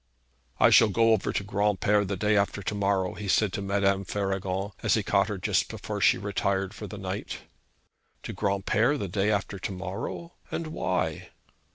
'I shall go over to Granpere the day after to morrow,' he said to Madame Faragon, as he caught her just before she retired for the night. 'To Granpere the day after to morrow? And why?'